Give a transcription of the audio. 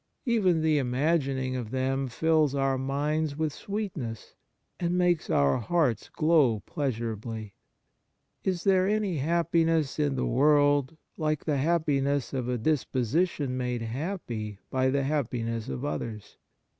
Even the imag^inine: of them fills our minds with Kind Words 75 sweetness, and makes our hearts glow pleasurably. Is there any happiness in the world Hke the happiness of a disposition made happy by the happiness of others